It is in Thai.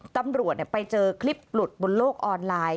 ตำรวจไปเจอคลิปหลุดบนโลกออนไลน์